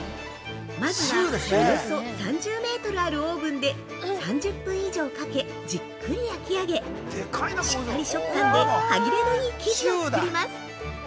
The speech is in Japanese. ◆まずは、およそ３０メートルあるオーブンで３０分間以上かけじっくり焼き上げしっかり食感で歯切れのいい生地を作ります。